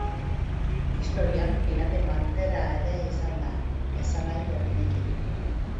Historian, piraten bandera ere izan da, esanahi berdinekin.